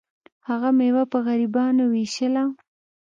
هغه میوه په غریبانو ویشله.